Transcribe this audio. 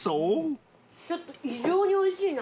ちょっと異常においしいな。